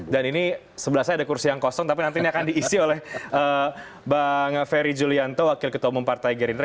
dan ini sebelah saya ada kursi yang kosong tapi nanti ini akan diisi oleh bang ferry julianto wakil ketua umum partai gerindra